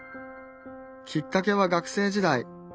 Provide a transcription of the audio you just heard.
きっかけは学生時代。